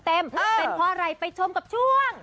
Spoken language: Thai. เป็นเพราะอะไรไปชมกับช่วง